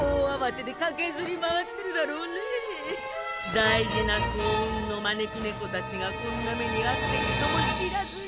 大事な幸運の招き猫たちがこんな目にあっているとも知らずに。